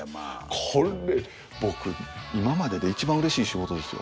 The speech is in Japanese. これ僕今までで一番うれしい仕事ですよ。